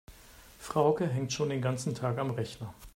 Frauke hängt schon den ganzen Tag am Rechner.